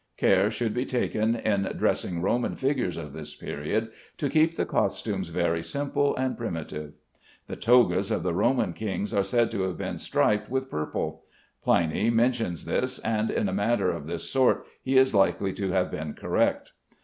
Care should be taken, in dressing Roman figures of this period, to keep the costumes very simple and primitive. The togas of the Roman kings are said to have been striped with purple. Pliny mentions this, and in a matter of this sort he is likely to have been correct.